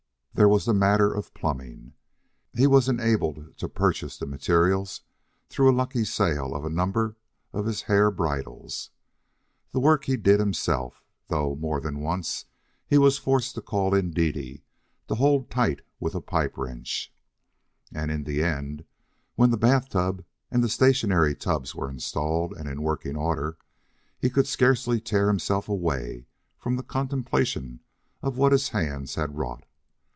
There was the matter of the plumbing. He was enabled to purchase the materials through a lucky sale of a number of his hair bridles. The work he did himself, though more than once he was forced to call in Dede to hold tight with a pipe wrench. And in the end, when the bath tub and the stationary tubs were installed and in working order, he could scarcely tear himself away from the contemplation of what his hands had wrought.